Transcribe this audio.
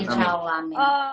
insya allah amin